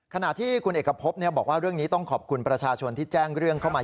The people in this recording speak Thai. ขณะที่คุณเอกพบบอกว่าเรื่องนี้ต้องขอบคุณประชาชนที่แจ้งเรื่องเข้ามา